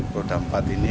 bodah empat ini